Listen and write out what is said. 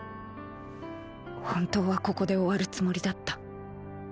本当はここで終わるつもりだった。